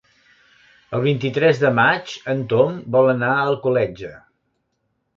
El vint-i-tres de maig en Tom vol anar a Alcoletge.